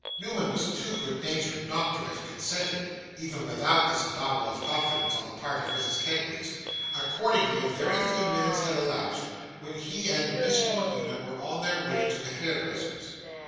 Newman was too good natured not to have consented, even without this avowal of confidence on the part of Mrs. Kenwigs. Accordingly, a very few minutes had elapsed, when he and Miss Morleena were on their way to the hairdresser's.